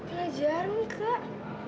ada jarum kak